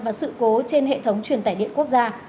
và sự cố trên hệ thống truyền tải điện quốc gia